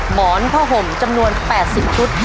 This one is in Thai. หมอนผ้าห่มจำนวน๘๐ชุด